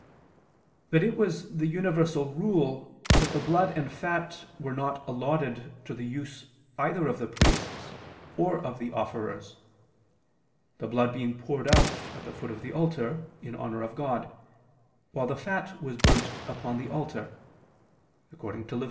But it was the universal rule that the blood and fat were not allotted to the use either of the priests or of the offerers: the blood being poured out at the foot of the altar, in honor of God, while the fat was burnt upon the altar (Lev.